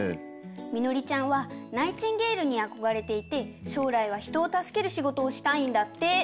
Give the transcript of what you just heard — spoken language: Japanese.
みのりちゃんはナイチンゲールにあこがれていてしょうらいはひとをたすけるしごとをしたいんだって。